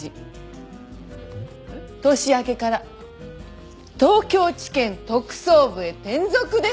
年明けから東京地検特捜部へ転属です。